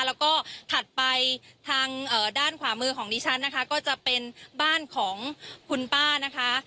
แล้วก็ถัดไปทางด้านขวามือของดิฉันนะคะก็จะเป็นบ้านของคุณป้านะคะ